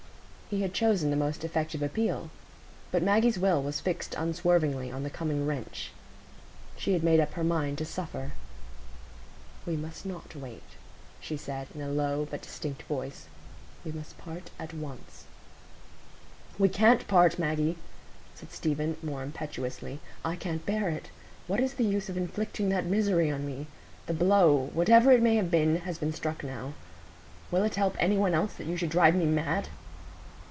He had chosen the most effective appeal; but Maggie's will was fixed unswervingly on the coming wrench. She had made up her mind to suffer. "We must not wait," she said, in a low but distinct voice; "we must part at once." "We can't part, Maggie," said Stephen, more impetuously. "I can't bear it. What is the use of inflicting that misery on me? The blow—whatever it may have been—has been struck now. Will it help any one else that you should drive me mad?"